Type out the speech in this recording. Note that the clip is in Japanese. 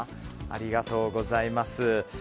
ありがとうございます。